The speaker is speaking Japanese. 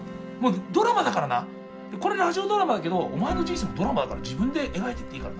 ドラマだからなこれラジオドラマだけどお前の人生もドラマだから自分で描いてっていいからな。